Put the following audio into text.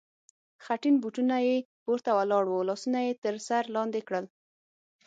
خټین بوټونه یې پورته ولاړ و، لاسونه یې تر سر لاندې کړل.